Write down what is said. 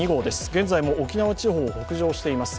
現在も沖縄地方を北上しています